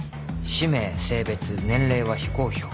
「氏名性別年齢は非公表」